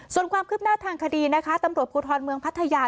ส่วนความคืบหน้าทางคดีนะคะตำรวจภูทรเมืองพัทยา